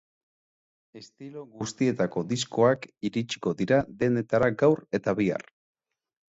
Estilo guztietako diskoak iritsiko dira dendetara gaur eta bihar.